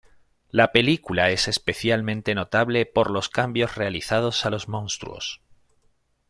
La película es especialmente notable por los cambios realizados a los monstruos.